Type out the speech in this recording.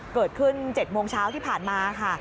เกิดขึ้น๗โมงเช้าที่ผ่านมาค่ะ